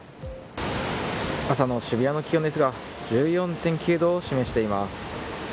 朝の渋谷の気温ですが１４．９度を示しています。